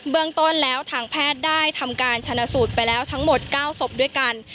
เรื่องต้นแล้วทางแพทย์ได้ทำการชนะสูตรไปแล้วทั้งหมด๙ศพด้วยกัน